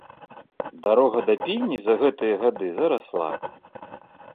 Дарога да пільні за гэтыя гады зарасла.